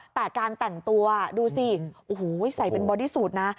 แต่การแต่งตัวดูสิโอ้โหใส่เป็นบอดี้สูตรนะ